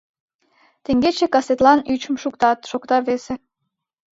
— Теҥгече касетлан ӱчым шуктат, — шокта весе.